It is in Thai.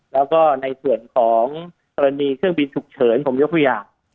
แล้วก็ในส่วนของกรณีเครื่องบินฉุกเฉินผมยกตัวอย่าง